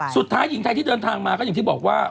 สุดท้ายหญิงไทยที่เดินทางมาก็อย่างที่บอกว่า